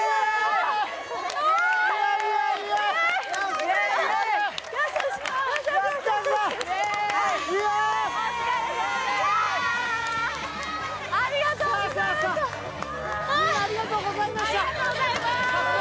みんなありがとうございました。